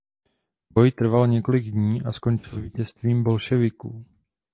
Boj trval několik dní a skončil vítězstvím bolševiků.